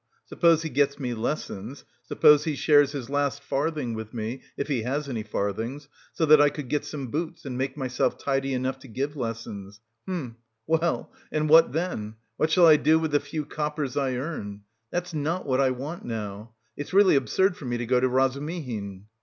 Suppose he gets me lessons, suppose he shares his last farthing with me, if he has any farthings, so that I could get some boots and make myself tidy enough to give lessons... hm... Well and what then? What shall I do with the few coppers I earn? That's not what I want now. It's really absurd for me to go to Razumihin...."